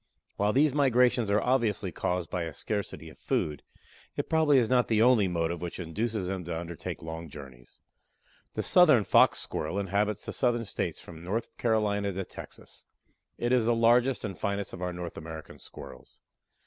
While these migrations are obviously caused by a scarcity of food, it probably is not the only motive which induces them to undertake long journeys. The southern Fox Squirrel inhabits the Southern States from North Carolina to Texas. It is the largest and finest of our North American Squirrels.